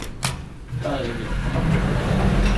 Berre hyggjeleg!